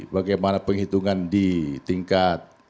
bagaimana penghitungan di tingkat